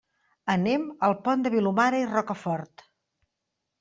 Anem al Pont de Vilomara i Rocafort.